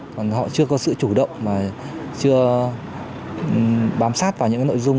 còn họ chưa có sự chủ động mà chưa bám sát vào những nội dung